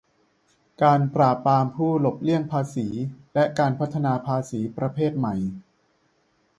การปราบปรามผู้หลบเลี่ยงภาษี และการพัฒนาภาษีประเภทใหม่